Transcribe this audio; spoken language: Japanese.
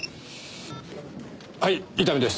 はい伊丹です。